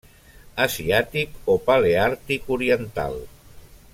Asiàtic o Paleàrtic oriental.